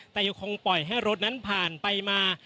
แต่ยังคงปล่อยให้รถนั้นผ่านไปมา